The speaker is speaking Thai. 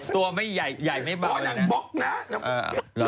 ตัวไม่ใหญ่ไม่เบา